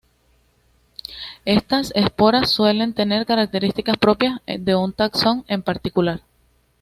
Estas esporas suelen tener características propias de un taxón en particular.